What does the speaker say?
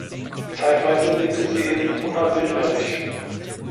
Zeitweise lebte sie in Unna-Billmerich.